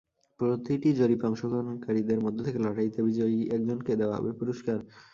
প্রতিটি জরিপে অংশগ্রহণকারীদের মধ্য থেকে লটারিতে বিজয়ী একজনকে দেওয়া হবে পুরস্কার।